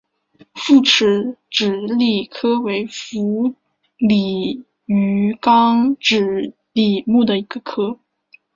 复齿脂鲤科为辐鳍鱼纲脂鲤目的一个科。